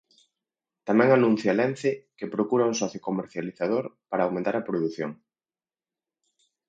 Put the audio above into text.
Tamén anuncia Lence que procura un socio comercializador para aumentar a produción.